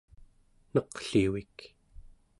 neqlivik